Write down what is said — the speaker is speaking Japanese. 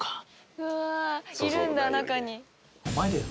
うわいるんだ中に。